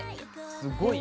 すごい。